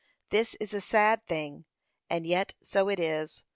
This is a sad thing, and yet so it is.